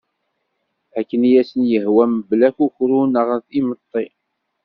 Akken i asen-yehwa mebla akukru neɣ imeṭi.